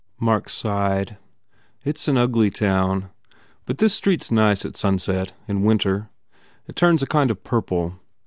Mark sighed, "It s an ugly town. But this street s nice at sunset, in winter. It turns a kind of purple.